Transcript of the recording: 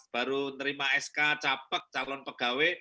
baru nerima sk capek calon pegawai